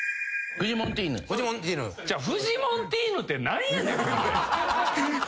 フジモンティーヌって何やねん！